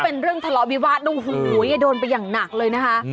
เป็นเรื่องทะเลาะวิวาสโอ้โหโดนไปอย่างหนักเลยนะคะ